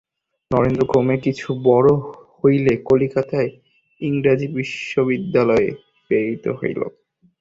নরেন্দ্র ক্রমে কিছু বড়ো হইলে কলিকাতায় ইংরাজি বিদ্যালয়ে প্রেরিত হইল।